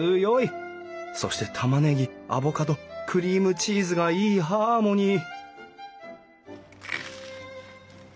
そしてたまねぎアボカドクリームチーズがいいハーモニー！